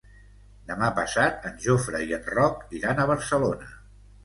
Demà passat en Jofre i en Roc iran a Barcelona.